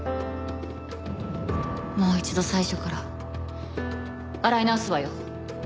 もう一度最初から洗い直すわよ。